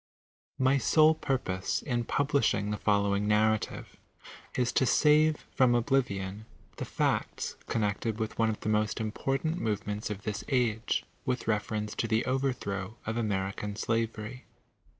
My sole purpose in publishing the following Narrative is to save from oblivion the facts connected with one of the most important movements of this age, with reference to the overthrow of American Blavory.